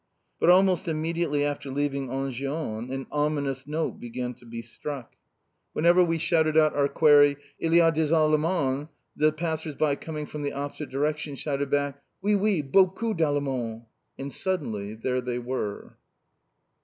But almost immediately after leaving Enghien an ominous note began to be struck. Whenever we shouted out our query: "Il y a des Allemands?" the passers by coming from the opposite direction shouted back, "Oui, oui, beaucoup d'Allemands!" And suddenly there they were!